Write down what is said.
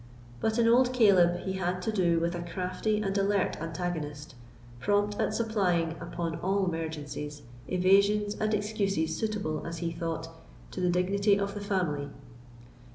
But in old Caleb he had to do with a crafty and alert antagonist, prompt at supplying, upon all emergencies, evasions and excuses suitable, as he thought, to the dignity of the family.